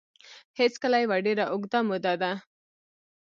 هېڅکله یوه ډېره اوږده موده ده